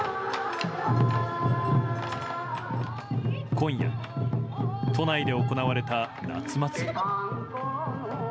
今夜、都内で行われた夏祭り。